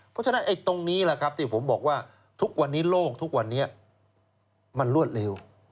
เพราะฉะนั้นตรงนี้แหละครับที่ผมบอกว่าทุกวันนี้โลกทุกวันนี้มันรวดเร็ว